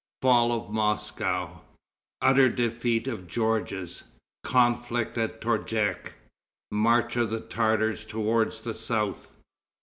Fall of Moscow. Utter Defeat of Georges. Conflict at Torjek. March of the Tartars Toward the South.